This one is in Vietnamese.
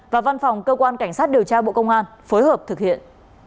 và văn phòng cơ quan cảnh sát điều tra bộ công an phối hợp thực hiện